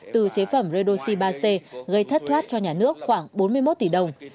từ chế phẩm redoxi ba c gây thất thoát cho nhà nước khoảng bốn mươi một tỷ đồng